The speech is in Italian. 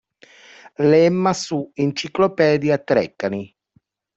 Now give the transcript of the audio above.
Lemma su Enciclopedia Treccani